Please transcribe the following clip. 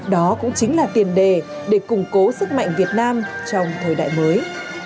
đó cũng chính là tiền đề để củng cố sức mạnh việt nam trong thời đại mới